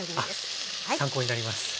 あっ参考になります。